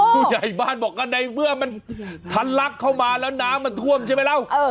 ผู้ใหญ่บ้านบอกว่าในเมื่อมันทันลักเข้ามาแล้วน้ำมันท่วมใช่ไหมเรา